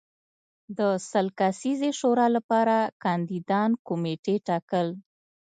د سل کسیزې شورا لپاره کاندیدان کمېټې ټاکل